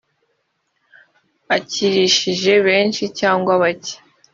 akirishije benshi cyangwa bake